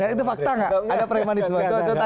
itu fakta nggak ada premanisme